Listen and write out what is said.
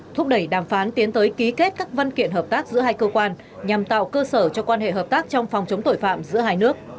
thúc đẩy đàm phán tiến tới ký kết các văn kiện hợp tác giữa hai cơ quan nhằm tạo cơ sở cho quan hệ hợp tác trong phòng chống tội phạm giữa hai nước